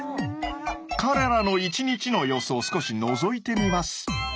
彼らの一日の様子を少しのぞいてみます。